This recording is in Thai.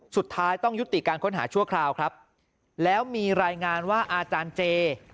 สุดท้ายต้องยุติการค้นหาชั่วคราวครับแล้วมีรายงานว่าอาจารย์เจ